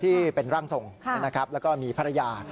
ที่เป็นร่างทรงแล้วก็มีภรรยา